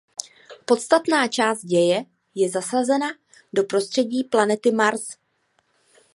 Podstatná část děje je zasazena do prostředí planety Mars.